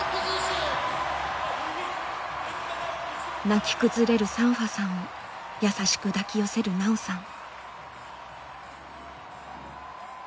泣き崩れるサンファさんを優しく抱き寄せる奈緒さん。